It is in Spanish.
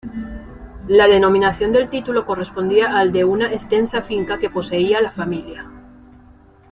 La denominación del título correspondía al de una extensa finca que poseía la familia.